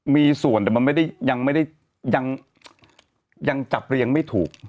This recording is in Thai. มีส่วนแต่มันยังการจับเรียงไม่ถูก